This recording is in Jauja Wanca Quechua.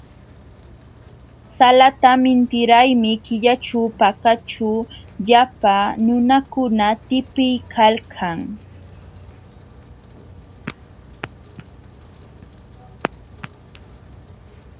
Salatam intiraymi killaćhu Pakaćhu llapa nunakuna tipiykalkan.